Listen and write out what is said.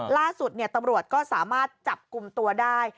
ล่าสุดตำรวจก็สามารถจับกลุ่มตัวได้